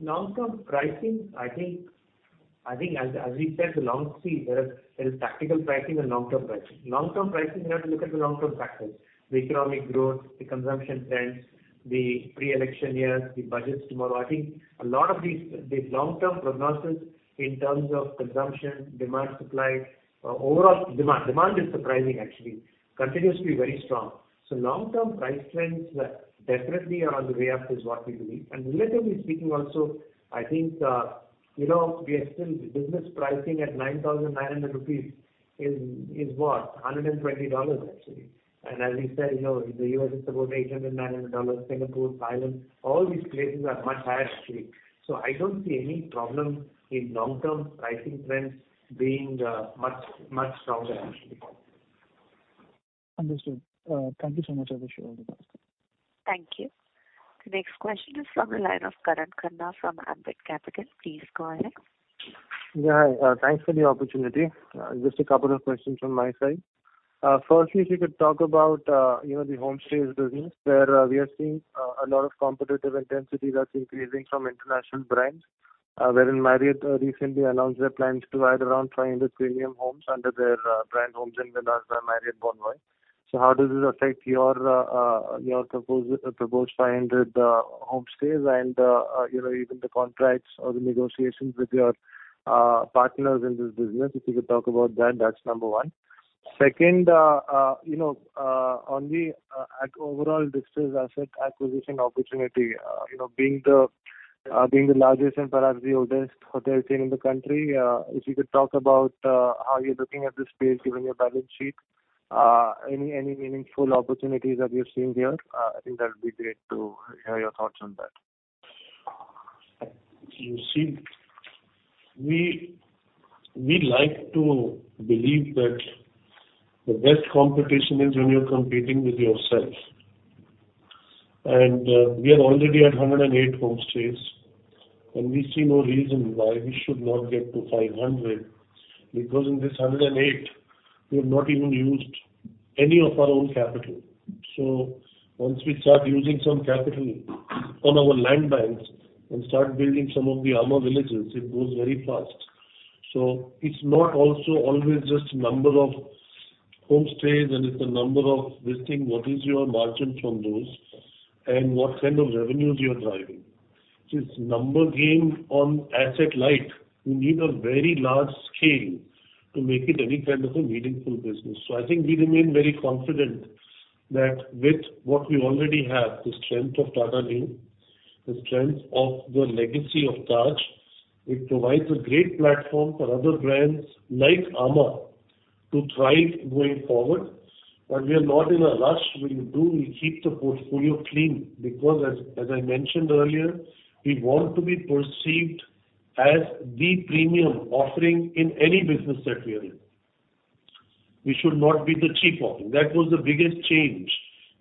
Long-term pricing, I think as we said. See, there is tactical pricing and long-term pricing. Long-term pricing, you have to look at the long-term factors, the economic growth, the consumption trends, the pre-election years, the budgets tomorrow. I think a lot of these, the long-term prognosis in terms of consumption, demand, supply, overall demand. Demand is surprising actually. Continues to be very strong. Long-term price trends definitely are on the way up is what we believe. Relatively speaking also, I think, you know, we are still business pricing at 9,900 rupees is what? $120 actually. As we said, you know, in the U.S. it's about $800-$900. Singapore, Thailand, all these places are much higher actually. I don't see any problem in long-term pricing trends being much stronger actually. Understood. Thank you so much. I appreciate all the answers. Thank you. The next question is from the line of Karan Khanna from Ambit Capital. Please go ahead. Yeah. Thanks for the opportunity. Just a couple of questions from my side. Firstly, if you could talk about, you know, the homestays business where we are seeing a lot of competitive intensity that's increasing from international brands, wherein Marriott recently announced their plans to add around 500 premium homes under their brand Homes & Villas by Marriott Bonvoy. How does this affect your proposed 500 homestays and, you know, even the contracts or the negotiations with your partners in this business? If you could talk about that's number one. Second, on the overall distressed asset acquisition opportunity, you know, being the largest and perhaps the oldest hotel chain in the country, if you could talk about how you're looking at this space given your balance sheet, any meaningful opportunities that you're seeing there, I think that would be great to hear your thoughts on that? You see, we like to believe that the best competition is when you're competing with yourself. We are already at 108 homestays, and we see no reason why we should not get to 500, because in this 108 we have not even used any of our own capital. Once we start using some capital on our land banks and start building some of the amã villages, it goes very fast. It's not also always just number of homestays and it's the number of listing, what is your margin from those and what kind of revenues you're driving. It's number game on asset light. You need a very large scale to make it any kind of a meaningful business. I think we remain very confident that with what we already have, the strength of Tata, the strength of the legacy of Taj, it provides a great platform for other brands like amã to thrive going forward. We are not in a rush. We keep the portfolio clean because as I mentioned earlier, we want to be perceived as the premium offering in any business that we are in. We should not be the cheap offering. That was the biggest change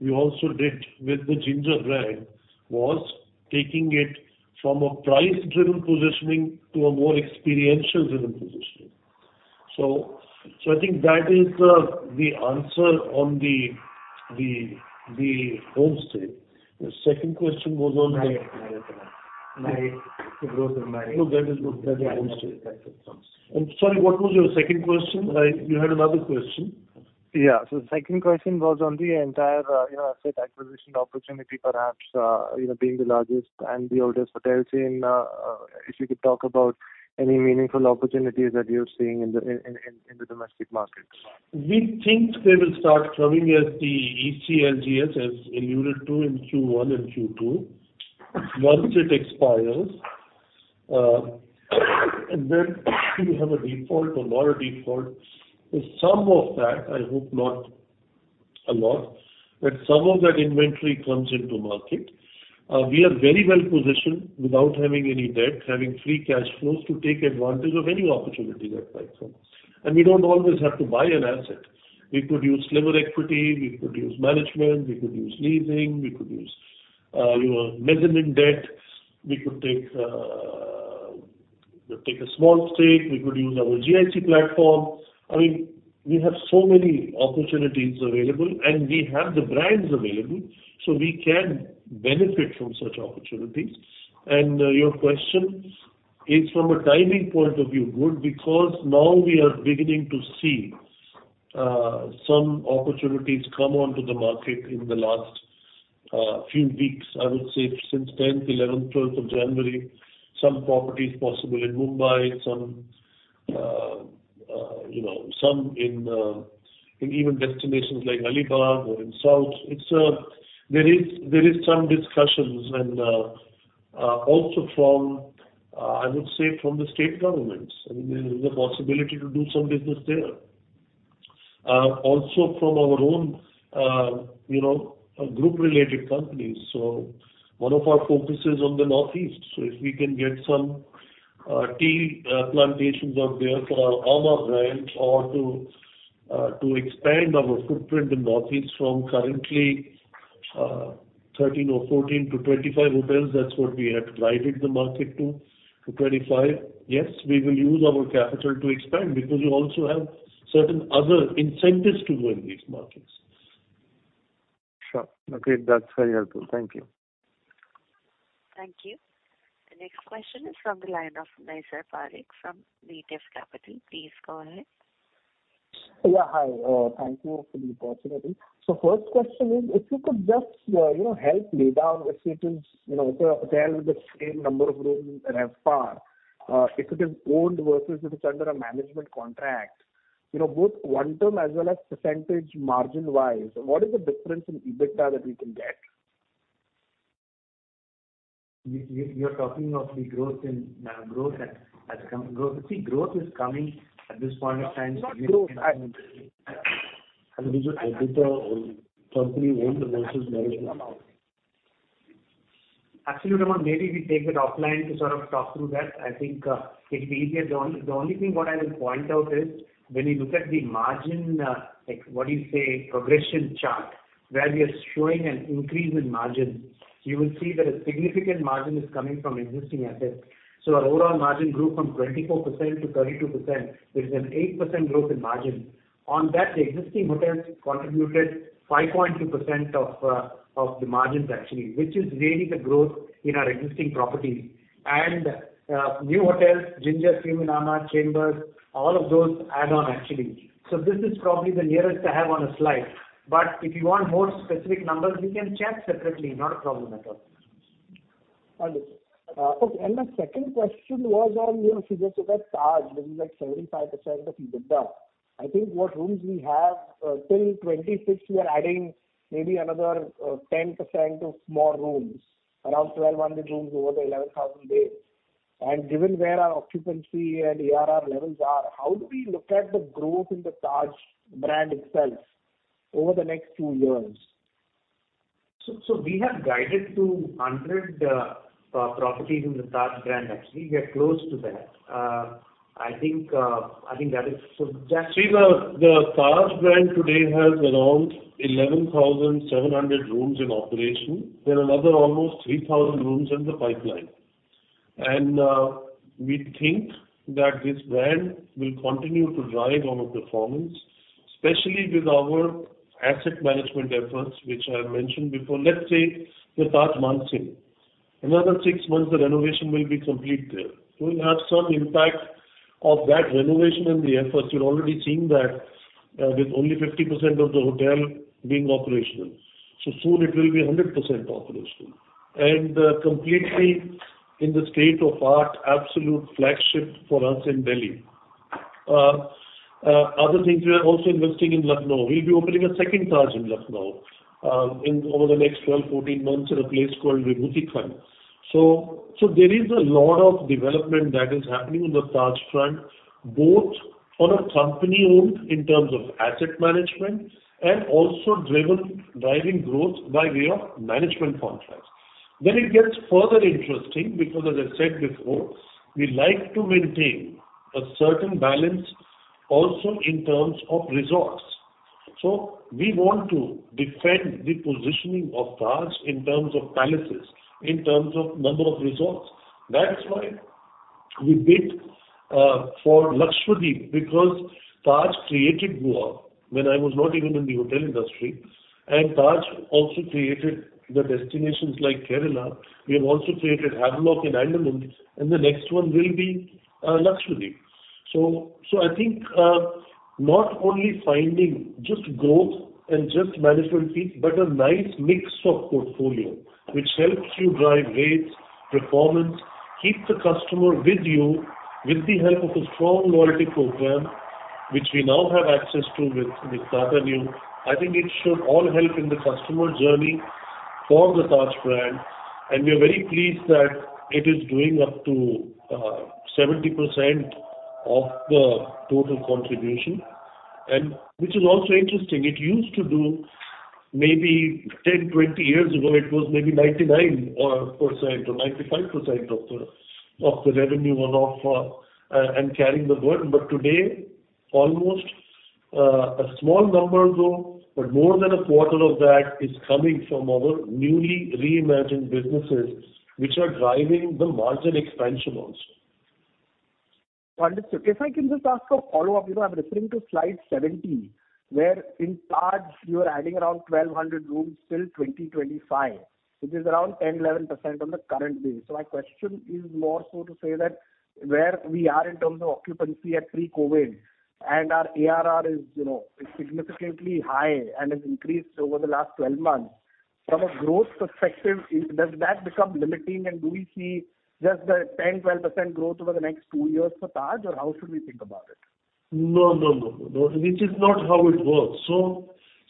we also did with the Ginger, was taking it from a price-driven positioning to a more experiential-driven positioning. I think that is the answer on the homestay. The second question was on the Marriott. It was on Marriott. No, that is good. That is homestay. Sorry, what was your second question? You had another question. Yeah. The second question was on the entire asset acquisition opportunity, perhaps, you know, being the largest and the oldest hotel chain, if you could talk about any meaningful opportunities that you're seeing in the domestic markets. We think they will start coming as the ECLGS, as alluded to in Q1 and Q2. Once it expires, then you have a default or non-default, is some of that, I hope not a lot, but some of that inventory comes into market. We are very well positioned without having any debt, having free cash flows to take advantage of any opportunity that might come. We don't always have to buy an asset. We could use lever equity, we could use management, we could use leasing, we could use, you know, mezzanine debt. We could take a small stake. We could use our GIC platform. I mean, we have so many opportunities available, and we have the brands available, so we can benefit from such opportunities. Your question is from a timing point of view good because now we are beginning to see some opportunities come onto the market in the last few weeks. I would say since 10th, 11th, 12th of January, some properties possible in Mumbai, some some in even destinations like Alibag or in South. It's, there is some discussions and also from, I would say from the state governments. I mean, there is a possibility to do some business there. Also from our own group related companies. One of our focus is on the Northeast, so if we can get some tea plantations out there for our amã brand or to expand our footprint in Northeast from currently 13 or 14 to 25 hotels, that's what we have guided the market to 25. Yes, we will use our capital to expand because you also have certain other incentives to go in these markets. Sure. Okay, that's very helpful. Thank you. Thank you. The next question is from the line of Nisarg Parikh from S&P Capital. Please go ahead. Yeah, hi. Thank you for the opportunity. First question is if you could just, you know, help lay down if it is, you know, a hotel with the same number of rooms, RevPAR, if it is owned versus if it's under a management contract, you know, both quantum as well as percentage margin wise, what is the difference in EBITDA that we can get? See, growth is coming at this point of time. Not growth. I mean, is it EBITDA on company owned versus management amount? Absolute amount, maybe we take that offline to sort of talk through that. I think it'll be easier. The only thing what I will point out is when you look at the margin, like what do you say, progression chart where we are showing an increase in margin, you will see that a significant margin is coming from existing assets. Our overall margin grew from 24% to 32%, which is an 8% growth in margin. On that, the existing hotels contributed 5.2% of the margins actually, which is really the growth in our existing properties. New hotels, Ginger, Sri Manama, Chambers, all of those add on actually. This is probably the nearest I have on a slide. If you want more specific numbers, we can chat separately. Not a problem at all. Understood. Okay, my second question was on, you know, you just said that Taj, which is like 75% of EBITDA. I think what rooms we have, till 2026, we are adding maybe another 10% of more rooms. Around 1,200 rooms over the 11,000 base. Given where our occupancy and ARR levels are, how do we look at the growth in the Taj brand itself over the next 2 years? We have guided to 100 properties in the Taj brand. Actually, we are close to that. I think, I think that is. The Taj brand today has around 11,700 rooms in operation. There are another almost 3,000 rooms in the pipeline. We think that this brand will continue to drive our performance, especially with our asset management efforts, which I have mentioned before. Let's say the Taj Mansingh. Another 6 months, the renovation will be complete there. We'll have some impact of that renovation and the efforts. You're already seeing that with only 50% of the hotel being operational. Soon it will be 100% operational and completely in the state of art, absolute flagship for us in Delhi. Other things, we are also investing in Lucknow. We'll be opening a second Taj in Lucknow in over the next 12-14 months in a place called Vibhuti Khand. There is a lot of development that is happening on the Taj front, both on a company owned in terms of asset management and also driving growth by way of management contracts. It gets further interesting because as I said before, we like to maintain a certain balance also in terms of resorts. We want to defend the positioning of Taj in terms of palaces, in terms of number of resorts. That's why we bid for Lakshadweep because Taj created Goa when I was not even in the hotel industry, and Taj also created the destinations like Kerala. We have also created Havelock in Andamans, and the next one will be Lakshadweep. I think not only finding just growth and just management fees, but a nice mix of portfolio which helps you drive rates, performance, keep the customer with you with the help of a strong loyalty program which we now have access to with Tata Neu. I think it should all help in the customer journey for the Taj brand. We are very pleased that it is doing up to 70% of the total contribution and which is also interesting. It used to do maybe 10, 20 years ago, it was maybe 99% or 95% of the revenue was off and carrying the burden. Today, almost a small number though, but more than a quarter of that is coming from our newly reimagined businesses, which are driving the margin expansion also. Understood. If I can just ask a follow-up. I'm referring to slide 70, where in Taj you are adding around 1,200 rooms till 2025, which is around 10%-11% on the current base. My question is more so to say that where we are in terms of occupancy at pre-COVID and our ARR is, you know, is significantly high and has increased over the last 12 months. From a growth perspective, does that become limiting? Do we see just the 10-12% growth over the next two years for Taj? How should we think about it? No, no. This is not how it works.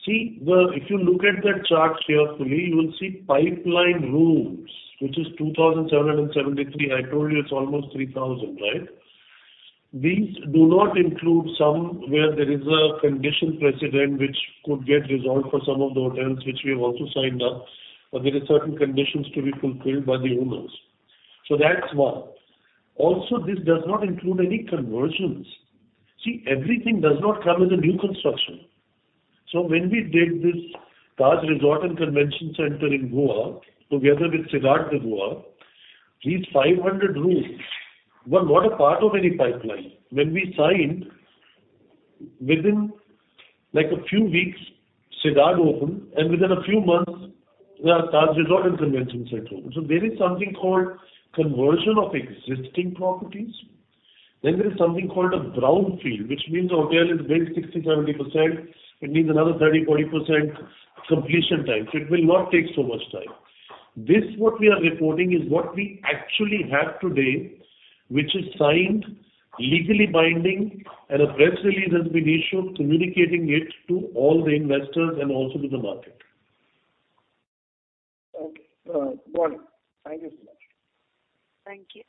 If you look at the charts carefully, you will see pipeline rooms, which is 2,773. I told you it's almost 3,000, right? These do not include some where there is a condition precedent which could get resolved for some of the hotels which we have also signed up, but there are certain conditions to be fulfilled by the owners. That's one. This does not include any conversions. Everything does not come as a new construction. When we did this Taj Resort and Convention Center in Goa together with Siddharth in Goa, these 500 rooms were not a part of any pipeline. When we signed, within, like, a few weeks, Siddharth opened, and within a few months, we have Taj Resort and Convention Center open. There is something called conversion of existing properties. There is something called a brownfield, which means the hotel is built 60%, 70%. It needs another 30%, 40% completion time. It will not take so much time. This what we are reporting is what we actually have today, which is signed, legally binding, and a press release has been issued communicating it to all the investors and also to the market. Okay. All right. Got it. Thank you so much. Thank you.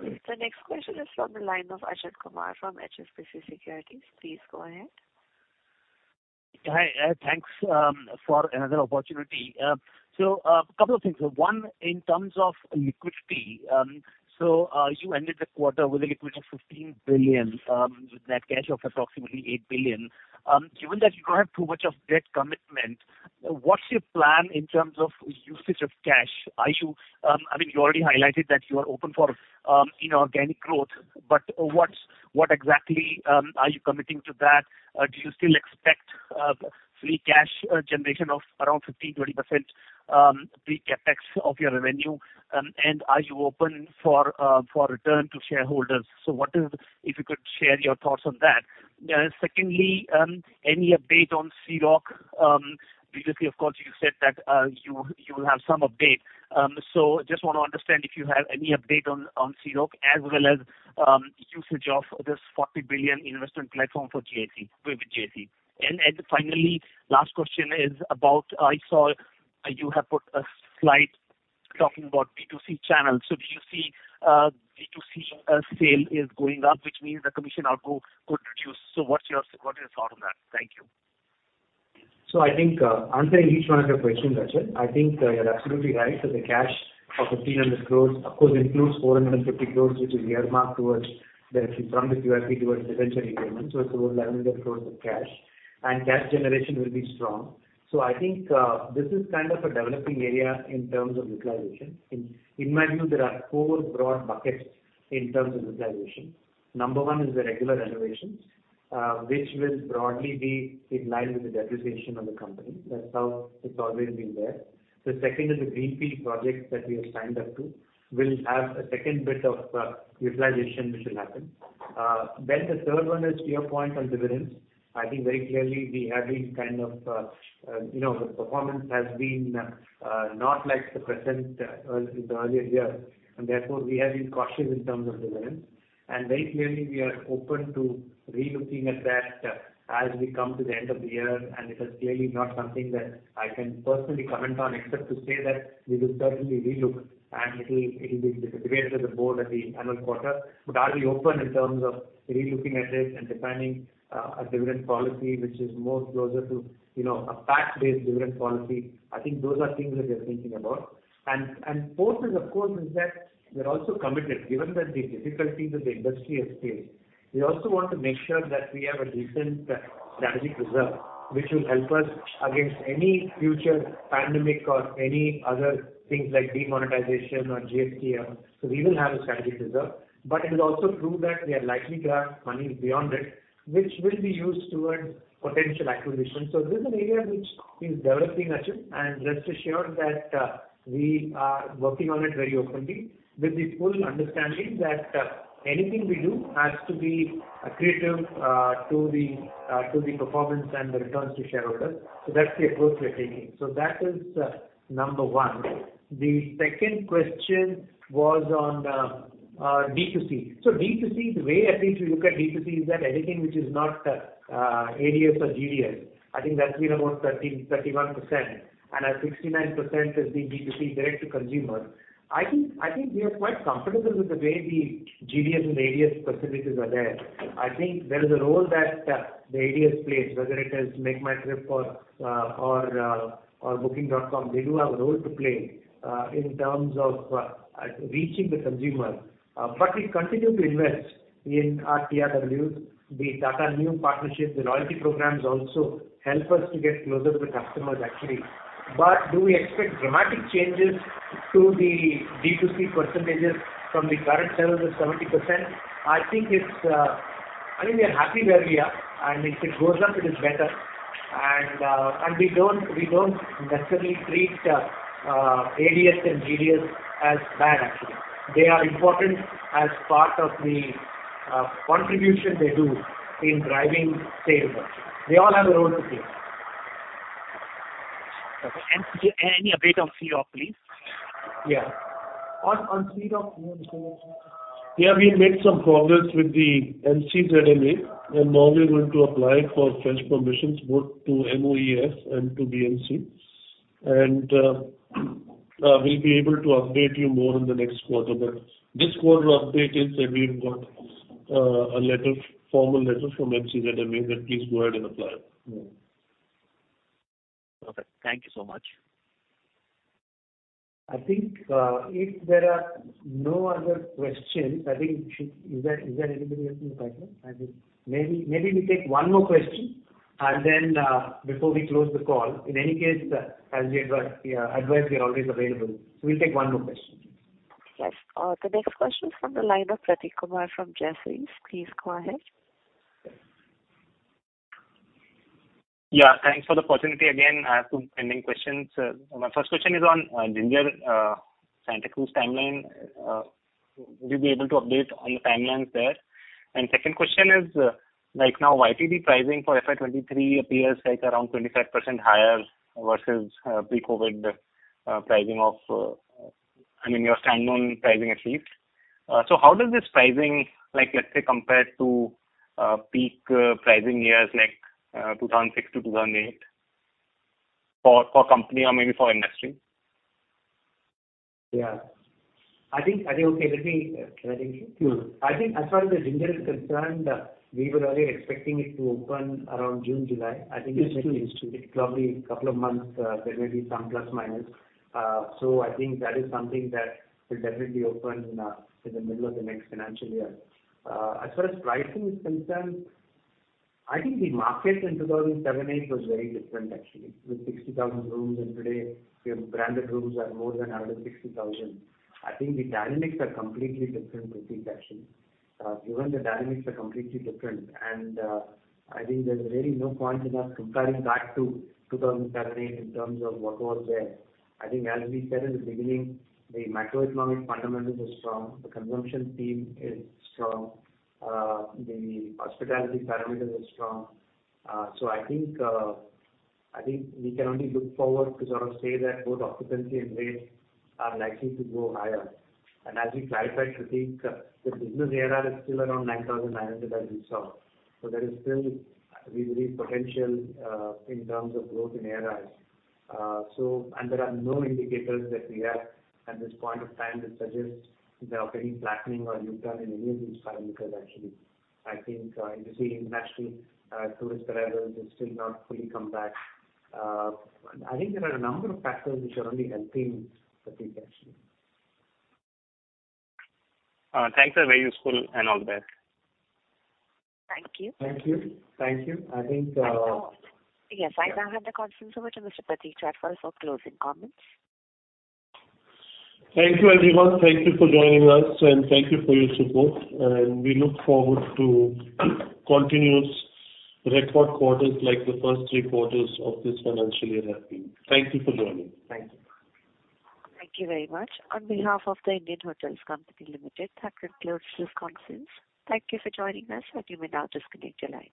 The next question is from the line of Achal Kumar from HSBC Securities. Please go ahead. Hi. Thanks for another opportunity. A couple of things. One, in terms of liquidity, you ended the quarter with a liquidity of 15 billion, with net cash of approximately 8 billion. Given that you don't have too much of debt commitment, what's your plan in terms of usage of cash? I mean, you already highlighted that you are open for organic growth, but what exactly are you committing to that? Do you still expect free cash generation of around 15%-20% pre-CapEx of your revenue? Are you open for return to shareholders? If you could share your thoughts on that. Secondly, any update on Sea Rock Hotel? Previously, of course, you said that you will have some update. Just want to understand if you have any update on Sea Rock as well as usage of this 40 billion investment platform for GIC with GIC. Finally, last question is about. I saw you have put a slide talking about B2C channels. Do you see B2C sale is going up, which means the commission outgo could reduce. What is your thought on that? Thank you. I think, answering each one of your questions, Achal Kumar, I think you're absolutely right that the cash of 1,500 crores, of course, includes 450 crores, which is earmarked towards the QIP from the QIP towards dividend payments. It's over 1,100 crores of cash. Cash generation will be strong. I think, this is kind of a developing area in terms of utilization. In my view, there are four broad buckets in terms of utilization. Number one is the regular renovations, which will broadly be in line with the depreciation of the company. That's how it's always been there. The second is the greenfield projects that we have signed up to will have a second bit of, utilization which will happen. The third one is your point on dividends. I think very clearly we have been kind of, you know, the performance has been, not like the present, in the earlier years, and therefore, we have been cautious in terms of dividends. Very clearly we are open to relooking at that as we come to the end of the year. This is clearly not something that I can personally comment on, except to say that we will certainly relook, and it'll be debated with the board at the annual quarter. Are we open in terms of relooking at this and defining a dividend policy which is more closer to, you know, a fact-based dividend policy? I think those are things that we are thinking about. Fourth is, of course, is that we're also committed. Given the difficulties that the industry has faced, we also want to make sure that we have a decent strategic reserve which will help us against any future pandemic or any other things like demonetization or GST. We will have a strategic reserve, but it will also prove that we are likely to have money beyond it, which will be used towards potential acquisitions. This is an area which is developing, Achalesh, and rest assured that we are working on it very openly with the full understanding that anything we do has to be accretive to the to the performance and the returns to shareholders. That's the approach we're taking. That is number one. The second question was on B2C. B2C, the way at least we look at B2C is that anything which is not ADS or GDS, I think that's been about 30%-31% and our 69% is the B2C direct to consumer. I think we are quite comfortable with the way the GDS and ADS percentages are there. I think there is a role that the ADS plays, whether it is MakeMyTrip or Booking.com, they do have a role to play in terms of reaching the consumer. We continue to invest in our TRWs. The Tata Neu partnership, the loyalty programs also help us to get closer to the customers actually. Do we expect dramatic changes to the B2C percentages from the current 7%-70%? I think we are happy where we are, and if it goes up, it is better. We don't necessarily treat ADS and GDS as bad actually. They are important as part of the contribution they do in driving sales up. They all have a role to play. Okay. Any update on Sea Rock, please? Yeah. On Sea Rock Yeah, we made some progress with the MCZMA, and now we're going to apply for fresh permissions both to MOEF and to BMC. We'll be able to update you more in the next quarter. This quarter update is that we've got a letter, formal letter from MCZMA that please go ahead and apply. Perfect. Thank you so much. I think, if there are no other questions. Is there anybody else in the pipeline? I think maybe we take one more question and then before we close the call. In any case, as we advise, we are always available. We'll take one more question. Yes. The next question is from the line of Prateek Kumar from Jefferies. Please go ahead. Yeah, thanks for the opportunity again. I have two pending questions. My first question is on Ginger, Santa Cruz timeline. Would you be able to update on the timelines there? Second question is, right now YTD pricing for FY23 appears like around 25% higher versus pre-COVID pricing of, I mean, your standalone pricing at least. How does this pricing, like, let's say compared to peak pricing years like 2006-2008 for company or maybe for industry? Yeah. I think, okay, let me. Sure. I think as far as the Ginger is concerned, we were already expecting it to open around June, July. It's true. It's true. It's probably a couple of months, there may be some plus, minus. I think that is something that will definitely open in the middle of the next financial year. As far as pricing is concerned, I think the market in 2007, 2008 was very different actually. With 60,000 rooms and today we have branded rooms at more than 160,000. I think the dynamics are completely different, Prateek, actually. Given the dynamics are completely different and, I think there's really no point in us comparing back to 2007, 2008 in terms of what was there. I think as we said in the beginning, the macroeconomic fundamentals are strong, the consumption theme is strong, the hospitality parameter is strong. I think we can only look forward to sort of say that both occupancy and rates are likely to go higher. As we clarified, Prateek, the business ARR is still around 9,900 as we saw. There is still, we believe, potential in terms of growth in ARRs. There are no indicators that we have at this point of time that suggests there are any flattening or U-turn in any of these parameters actually. You see international tourist arrivals is still not fully come back. There are a number of factors which are only helping, Prateek, actually. Thanks. That was very useful and all the best. Thank you. Thank you. Thank you. I think. Yes. I now hand the conference over to Mr. Prateek Chadha for closing comments. Thank you, everyone. Thank you for joining us and thank you for your support, and we look forward to continuous record quarters like the first three quarters of this financial year have been. Thank you for joining. Thank you. Thank you very much. On behalf of The Indian Hotels Company Limited, that concludes this conference. Thank you for joining us and you may now disconnect your lines.